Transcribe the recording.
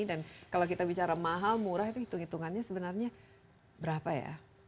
dan kalau kita bicara mahal murah itu hitung hitungannya sebenarnya berapa ya